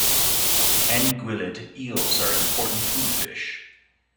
Anguillid eels are important food fish.